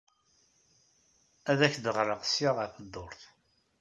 Ad ak-d-ɣreɣ seg-a ɣef dduṛt.